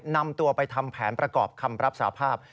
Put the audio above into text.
นำตัวไปทำแผนประกอบคำรับสาภาพ